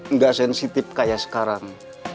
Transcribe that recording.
nggak sensitif kayak sekarang